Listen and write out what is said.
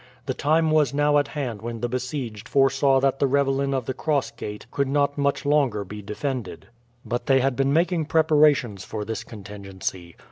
The time was now at hand when the besieged foresaw that the ravelin of the Cross gate could not much longer be defended. But they had been making preparations for this contingency.